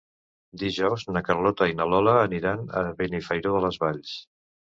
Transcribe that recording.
Dijous na Carlota i na Lola aniran a Benifairó de les Valls.